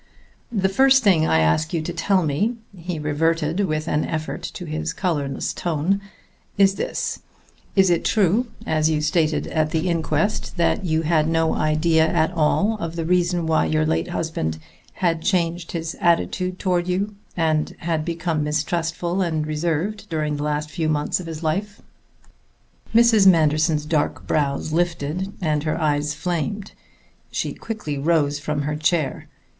The first thing I ask you to tell me" he reverted with an effort to his colorless tone "is this: is it true, as you stated at the inquest, that you had no idea at all of the reason why your late husband had changed his attitude toward you, and become mistrustful and reserved, during the last few months of his life?" Mrs. Manderson's dark brows lifted and her eyes flamed; she quickly rose from her chair.